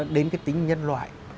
đến cái tính nhân loại